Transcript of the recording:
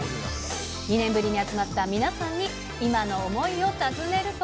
２年ぶりに集まった皆さんに、今の思いを尋ねると。